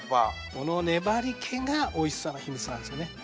この粘り気がおいしさの秘密なんですよね。